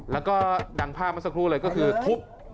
แล้วก็ดังภาพเมื่อสักครู่เลยก็คือทุบ